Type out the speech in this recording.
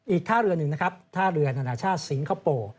อีกท่าเรือหนึ่งนะครับท่าเรือนานาชาติสิงคโปร์